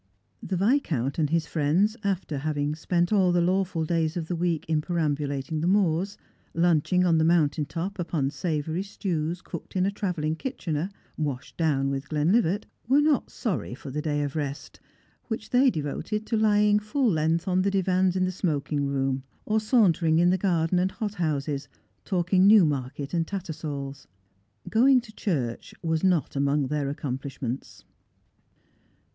The Viscount and his friends, after having spent all the law ful days of the week in perambulating the moors, lunching on the mountain top upon savoury stews cooked in a travelling kitchener, washed down with Glenlivat, were not sorry for the day of rest, which they devoted to lying full length on the divans in the smoking room, or sauntering in the garden and hot houses, talking Newmarket and Tattersall's. Going to church was not among their accomplishments.